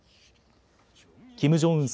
キム・ジョンウン